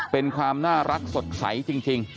เป็นความน่ารักสดใสจริง